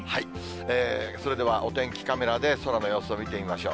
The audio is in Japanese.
それではお天気カメラで空の様子を見てみましょう。